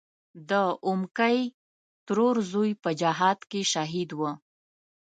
د اومکۍ ترور زوی په جهاد کې شهید و.